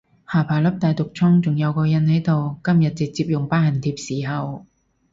下巴粒大毒瘡仲有個印喺度，今日直接用疤痕貼侍候